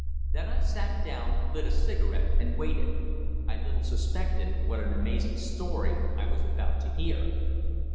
Then I sat down, lit a cigarette, and waited. I little suspected what an amazing story I was about to hear.